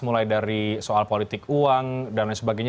mulai dari soal politik uang dan lain sebagainya